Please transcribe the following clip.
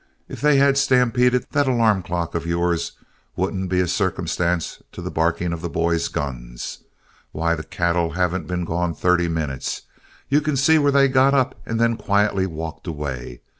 If they had stampeded, that alarm clock of yours wouldn't be a circumstance to the barking of the boys' guns. Why, the cattle haven't been gone thirty minutes. You can see where they got up and then quietly walked away.